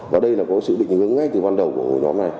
và đây là có sự định hướng ngay từ ban đầu của hội nhóm này